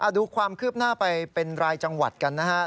ดูความคืบหน้าไปเป็นรายจังหวัดกันนะครับ